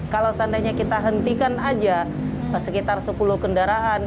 kalau seandainya kita hentikan aja sekitar sepuluh kendaraan